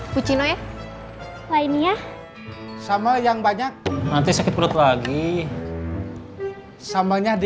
pucino ya lainnya sama yang banyak nanti sakit perut lagi sama nya dikit aja kamu beneran nggak